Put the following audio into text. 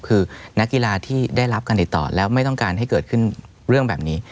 คือนักกีฬาที่ได้รับการติดต่อแล้วไม่ต้องการให้เกิดขึ้นเรื่องแบบนี้